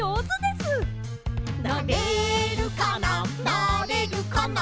「なれるかな？